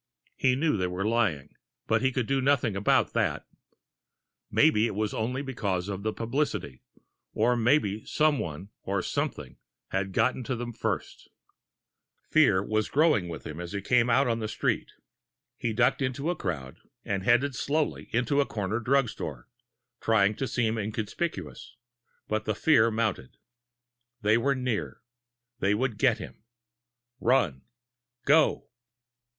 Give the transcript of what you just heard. He knew they were lying but he could do nothing about that. Maybe it was only because of the publicity or maybe because someone or something had gotten to them first! Fear was growing with him as he came out on the street. He ducked into a crowd, and headed slowly into a corner drug store, trying to seem inconspicuous, but the fear mounted. They were near they would get him! Run, GO!